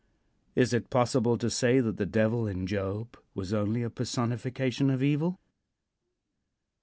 Is it possible to say that the Devil in Job was only a personification of evil?